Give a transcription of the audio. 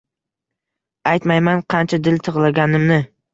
Aytmayman, qancha dil tig’laganimni.